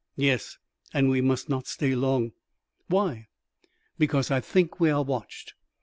"Yes; and we must not stay long." "Why?" "Because I think we are watched."